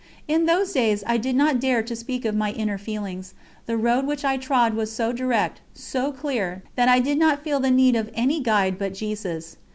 In those days I did not dare to speak of my inner feelings; the road which I trod was so direct, so clear, that I did not feel the need of any guide but Jesus.